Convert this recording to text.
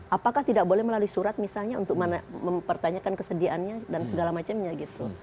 apakah tidak boleh melalui surat misalnya untuk mempertanyakan kesediaannya dan segala macamnya gitu